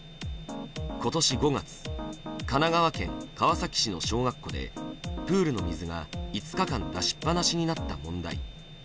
今年５月神奈川県川崎市の小学校でプールの水が５日間出しっ放しになった問題。